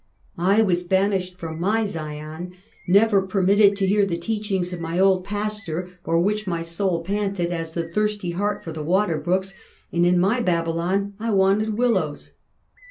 I was banished from my Zion, never permitted to hear the teachings of my old pastor,'for which my soul panted as the thirsty hart for the water brooks, and in my Babylon I wanted willows.